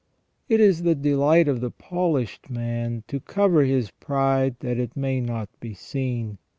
It is the delight of the polished man to cover his pride that it may not be seen.